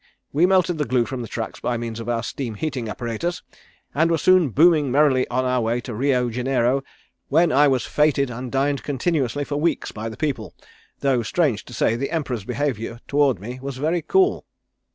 We melted the glue from the tracks by means of our steam heating apparatus, and were soon booming merrily on our way to Rio Janeiro when I was fêted and dined continuously for weeks by the people, though strange to say the Emperor's behaviour toward me was very cool."